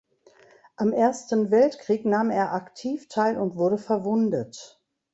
Am Ersten Weltkrieg nahm er aktiv teil und wurde verwundet.